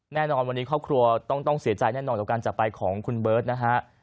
แน่นอนวันนี้ครอบครัวต้องเสียใจแน่นอนกับการจากไปของคุณเบิร์ตนะฮะ